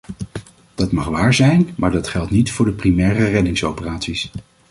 Dat mag waar zijn, maar dat geldt niet voor de primaire reddingsoperaties.